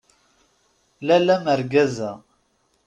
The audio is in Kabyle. Lalla mergaza!